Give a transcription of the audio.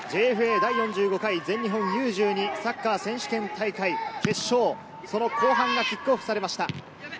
第４５回全日本Ｕ−１２サッカー選手権大会決勝、その後半がキックオフされました。